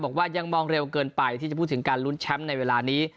บอกว่ายังมองเร็วเกินไปที่จะพูดถึงการลุ้นแชมป์ในเวลานี้